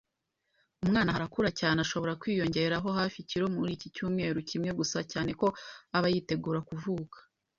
Umwana aha arakura cyane ashobora kwiyongeraho hafi ikiro muri iki cyumweru kimwe gusa cyane ko aba yitegura kuvuka.